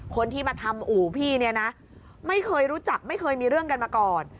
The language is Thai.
คนที่มาทำอู่พี่เนี่ยนะไม่เคยรู้จักไม่เคยมีเรื่องกันมาก่อน